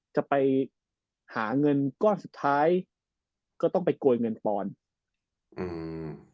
จะไปหาเงินก้อนสุดท้ายก็ต้องไปโกยเงินปอนด์อืม